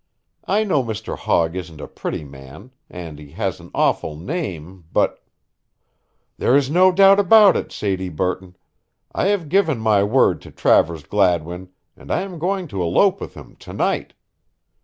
I know Mr. Hogg isn't a pretty man and he has an awful name, but" "There is no but about it, Sadie Burton. I have given my word to Travers Gladwin and I am going to elope with him to night.